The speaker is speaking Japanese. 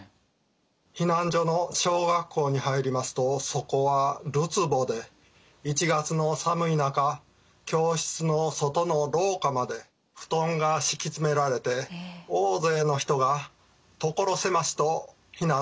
避難所の小学校に入りますとそこはるつぼで１月の寒い中教室の外の廊下まで布団が敷き詰められて大勢の人が所狭しと避難されていました。